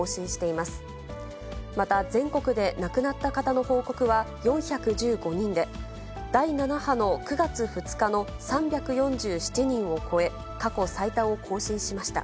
また、全国で亡くなった方の報告は４１５人で、第７波の９月２日の３４７人を超え、過去最多を更新しました。